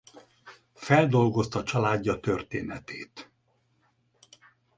Feldolgozta családja történetét.